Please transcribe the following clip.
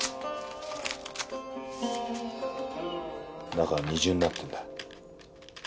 中が二重になってるんだ。